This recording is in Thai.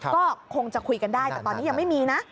ก็คงจะคุยกันได้แต่ตอนนี้ยังไม่มีนะ